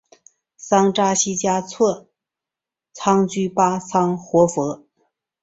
噶桑扎西嘉措卓仓居巴仓活佛。